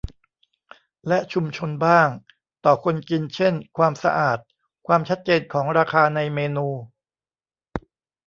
และชุมชนบ้าง ต่อคนกินเช่น ความสะอาด ความชัดเจนของราคาในเมนู